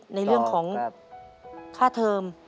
ต่อครับในเรื่องของค่าเทอม